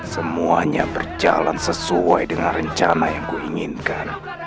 semuanya berjalan sesuai dengan rencana yang kuinginkan